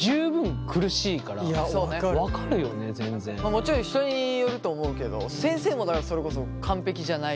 もちろん人によると思うけど先生もだからそれこそ完璧じゃないから。